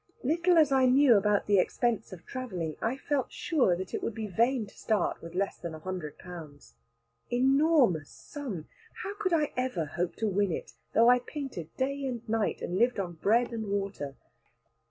Little as I knew about the expense of travelling, I felt sure that it would be vain to start with less than a hundred pounds. Enormous sum! How could I ever hope to win it, though I painted day and night, and lived on bread and water.